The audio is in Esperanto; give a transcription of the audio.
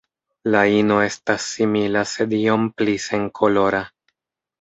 La ino estas simila sed iom pli senkolora.